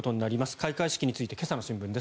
開会式について今朝の新聞です。